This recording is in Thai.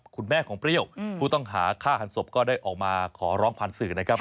คุณแม่ของเปรี้ยวผู้ต้องหาฆ่าหันศพก็ได้ออกมาขอร้องผ่านสื่อนะครับ